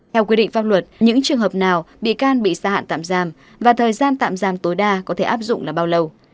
theo quy định pháp luật những trường hợp nào bị can bị xa hạn tạm giam và thời gian tạm giam tối đa có thể áp dụng là bao lâu